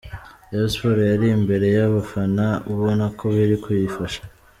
Rayon Sports yari imbere y’abafana ubona ko biri kuyifasha.